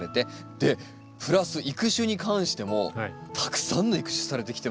でプラス育種に関してもたくさんの育種されてきてますよね。